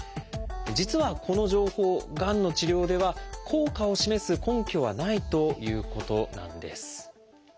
実はこの情報がんの治療では効果を示す根拠はないということなんです。